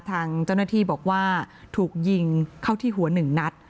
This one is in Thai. ทางเจ้าหน้าที่บอกว่าถูกยิงเข้าที่หัวหนึ่งนัด